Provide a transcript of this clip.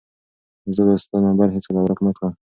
زه به ستا نمبر هیڅکله ورک نه کړم.